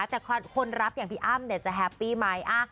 แต่คนรับอย่างพี่อ้ำจะแฮปปี้ไหม